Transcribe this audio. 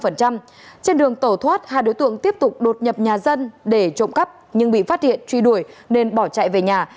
trên đường tẩu thoát hai đối tượng tiếp tục đột nhập nhà dân để trộm cắp nhưng bị phát hiện truy đuổi nên bỏ chạy về nhà